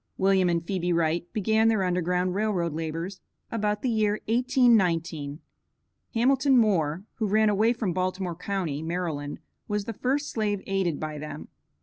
William and Phebe Wright began their Underground Rail Road labors about the year 1819. Hamilton Moore, who ran away from Baltimore county, Maryland, was the first slave aided by them.